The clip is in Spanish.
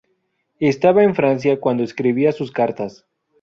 Estaba en Francia cuando escribía sus cartas.